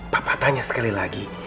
papa tanya sekali lagi